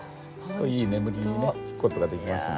いい眠りにねつく事ができますんで。